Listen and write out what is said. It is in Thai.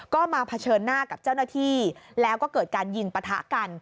ก็มาเผชิญหน้ากับเจ้าหน้าที่แล้วก็เกิดการยิงปะทะกัน